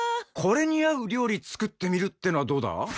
これに合う料理作ってみるってのはどうだ？